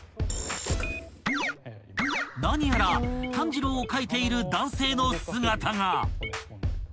［何やら炭治郎を描いている男性の姿が］